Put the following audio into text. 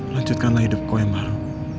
lanjutkanlah hidupku yang baru